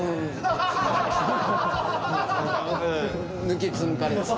抜きつ抜かれつ。